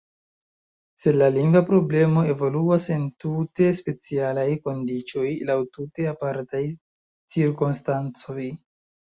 Sed la lingva problemo evoluas en tute specialaj kondiĉoj, laŭ tute apartaj cirkonstancoj.